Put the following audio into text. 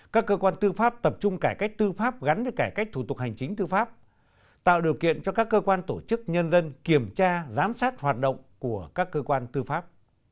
các cơ quan tư pháp tập trung cải cách tư pháp gắn với cải cách thủ tục hành chính tư pháp tạo điều kiện cho các cơ quan tổ chức nhân dân kiểm tra giám sát hoạt động của các cơ quan tư pháp